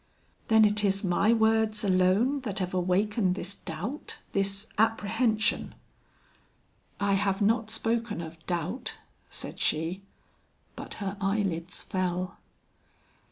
"Then it is my words alone that have awakened this doubt, this apprehension?" "I have not spoken of doubt," said she, but her eyelids fell.